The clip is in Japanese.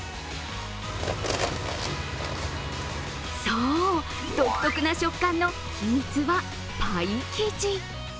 そう、独特な食感の秘密はパイ生地。